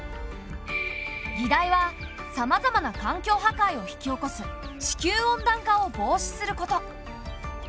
議題はさまざまな環境破壊を引き起こす地球温暖化を防止すること。